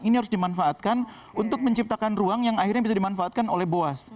ini harus dimanfaatkan untuk menciptakan ruang yang akhirnya bisa dimanfaatkan oleh boas